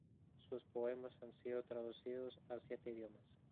Sus poemas han sido traducidos a siete idiomas.